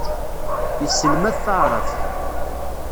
Yesselmad taɛṛabt.